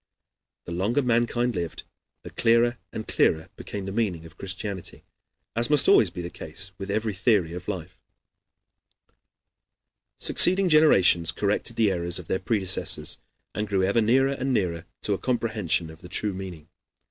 The longer mankind lived, the clearer and clearer became the meaning of Christianity, as must always be the case with every theory of life. Succeeding generations corrected the errors of their predecessors, and grew ever nearer and nearer to a comprehension of the true meaning.